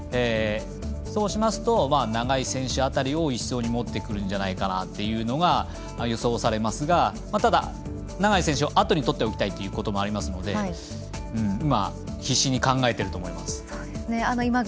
そうしますと永井選手あたりを１走に持ってくるんじゃないかなというのが予想されますがただ、永井選手をあとにとっておきたいということもありますので今、必死に考えていると思います。